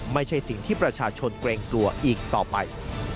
ไม่ใช่สิ่งที่ประชาชนเกรงกลัวอีกต่อไป